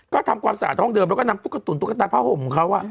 ก็ทำความสะอาดห้องเดิมแล้วก็นำตุ๊กตุ๋นตุ๊กตาผ้าห่มของเขา